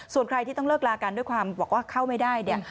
ส่วนใครที่ต้องเลิกลากันด้วยความบอกว่าเข้าไม่ได้เนี่ย